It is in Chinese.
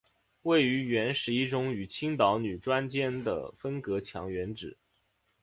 位于原十一中与青岛女专间的分隔墙原址。